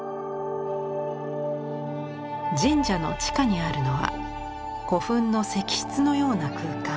神社の地下にあるのは古墳の石室のような空間。